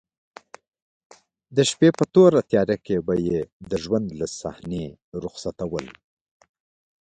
د شپې په توره تیاره کې به یې د ژوند له صحنې رخصتول.